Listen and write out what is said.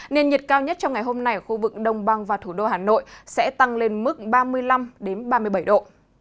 nền nhiệt cao nhất trong ngày hôm nay ở khu vực đông băng và thủ đô hà nội sẽ tăng lên mức ba mươi năm ba mươi bảy độ